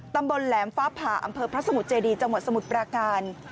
ตำบลแหลมฟ้าผ่าอำเภอพระสมุทรเจดีจังหวัดสมุทรปราการ